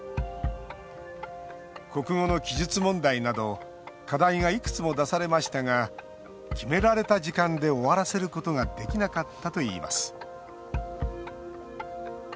国語の記述問題など課題がいくつも出されましたが決められた時間で終わらせることができなかったといいます。